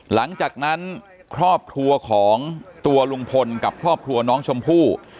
หลังจากนั้นครอบครัวของตัวลุงพลกับครอบครัวน้องชมพู่